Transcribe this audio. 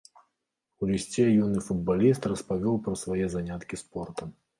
У лісце юны футбаліст распавёў пра свае заняткі спортам.